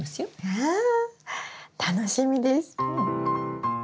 わ楽しみです。